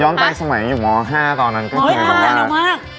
ย้อนไปสมัยอยู่ม๕ตอนนั้นก็คือว่า